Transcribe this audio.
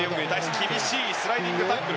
厳しいスライディングタックル。